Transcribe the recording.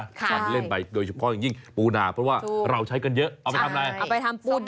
เอาไปเล่นไปโดยเฉพาะอย่างยิ่งปูนาเพราะว่าเราใช้กันเยอะเอาไปทำอะไร